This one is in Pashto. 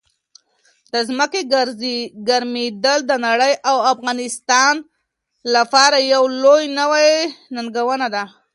د ځمکې ګرمېدل د نړۍ او افغانستان لپاره یو لوی نوي ننګونه ده.